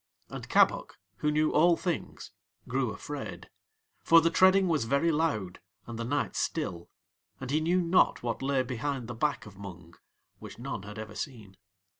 And Kabok, who knew All Things, grew afraid, for the treading was very loud and the night still, and he knew not what lay behind the back of Mung, which none had ever seen.